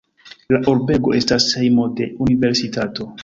La urbego estas hejmo de universitato.